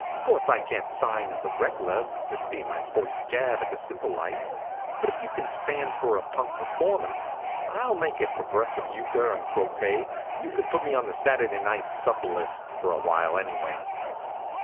Course I can't sign as a reg'lar, this bein' my first jab at the simple life; but if you can stand for the punk performance I'll make at progressive euchre and croquet, you can put me on the Saturday night sub list, for a while, anyway."